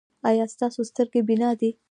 ایا ستاسو سترګې بینا دي؟